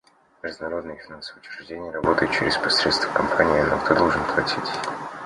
Международные финансовые учреждения работают через посредство компаний, но кто должен платить?